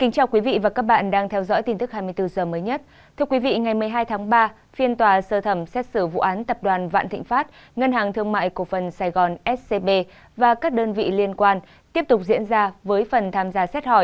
các bạn hãy đăng ký kênh để ủng hộ kênh của chúng mình nhé